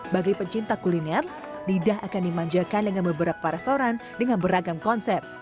bagi pencinta kuliner lidah akan dimanjakan dengan beberapa restoran dengan beragam konsep